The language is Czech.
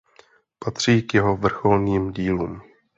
Patří k jeho vrcholným dílům.